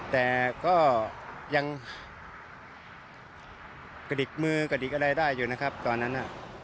แต่ก็ยังกระดิกมือกระดิกอะไรได้อยู่นะครับตอนนั้น